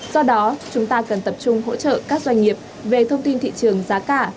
do đó chúng ta cần tập trung hỗ trợ các doanh nghiệp về thông tin thị trường giá cả